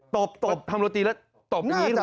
ตกหรือมีละ